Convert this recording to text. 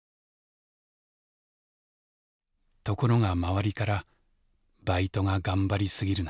ところが周りから「バイトが頑張り過ぎるな」